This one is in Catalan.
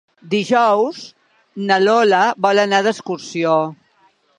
Dijous na Lola vol anar d'excursió.